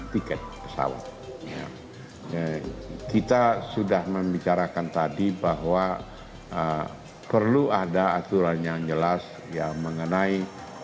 tiket pesawat kita sudah membicarakan tadi bahwa perlu ada aturan yang jelas ya mengenai